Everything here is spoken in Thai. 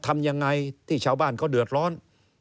ทำอย่างไรที่ชาวบ้านก็เดือดร้อน